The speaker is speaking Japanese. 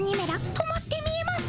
止まって見えます。